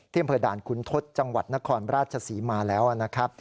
เที่ยงเผยด่านคุณทศจังหวัดนครราชศรีมาแล้วนะครับ